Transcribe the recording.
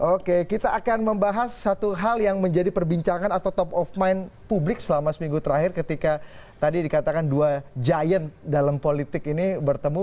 oke kita akan membahas satu hal yang menjadi perbincangan atau top of mind publik selama seminggu terakhir ketika tadi dikatakan dua giant dalam politik ini bertemu